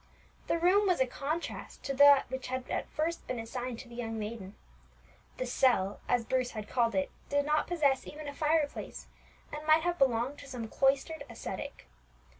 The room was a contrast to that which had at first been assigned to the young maiden. The cell, as Bruce had called it, did not possess even a fireplace, and might have belonged to some cloistered ascetic.